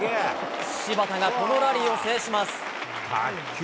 芝田がこのラリーを制します。